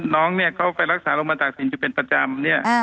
น้องเนี่ยเขาไปรักษาโรงพยาบาลตากศิลปอยู่เป็นประจำเนี่ย